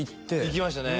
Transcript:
行きましたね